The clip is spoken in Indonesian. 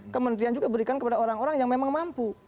kementerian juga berikan kepada orang orang yang memang mampu